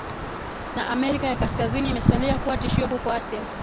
na Amerika ya Kaskazini imesalia kuwa tishio huko Asia